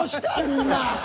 みんな。